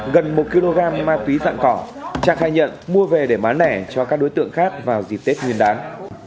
gần một kg ma túy dạng cỏ trang khai nhận mua về để bán nẻ cho các đối tượng khác vào dịp tết nguyên đáng